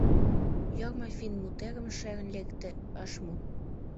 — Йорма финн мутерым шерын лекте, ыш му.